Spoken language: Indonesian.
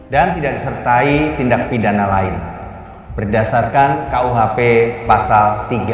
dan tidak disertai tindak pidana lain berdasarkan kuhp pasal tiga ratus lima puluh sembilan